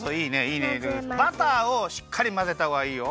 バターをしっかりまぜたほうがいいよ。